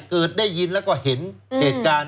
เกิดได้ยินแล้วก็เห็นเหตุการณ์